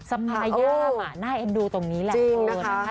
สะพาย่ามอ่ะน่าเอ็ดดูตรงนี้แหละจริงนะคะ